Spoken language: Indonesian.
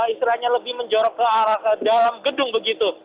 istilahnya lebih menjorok ke arah dalam gedung begitu